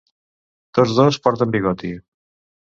Tots dos porten bigoti.